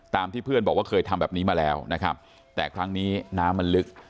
ที่เพื่อนบอกว่าเคยทำแบบนี้มาแล้วนะครับแต่ครั้งนี้น้ำมันลึก